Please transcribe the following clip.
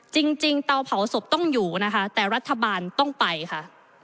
จริงเตาเผาศพต้องอยู่นะคะแต่รัฐบาลต้องไปค่ะ